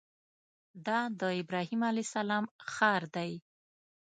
دا د ابراهیم علیه السلام ښار دی.